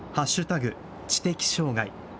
知的障害。